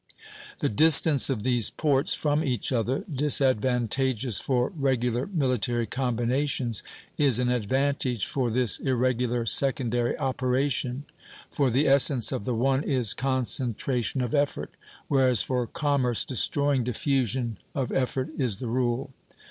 The distance of these ports from each other, disadvantageous for regular military combinations, is an advantage for this irregular secondary operation; for the essence of the one is concentration of effort, whereas for commerce destroying diffusion of effort is the rule.